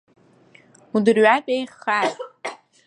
Удырҩатә еиӷьхааит!